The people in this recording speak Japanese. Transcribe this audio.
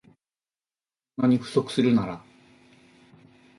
こんなに不足するなら